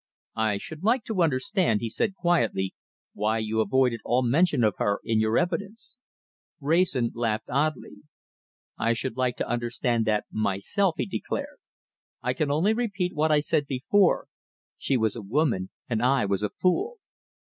"I should like to understand," he said quietly, "why you avoided all mention of her in your evidence." Wrayson laughed oddly. "I should like to understand that myself," he declared. "I can only repeat what I said before. She was a woman, and I was a fool."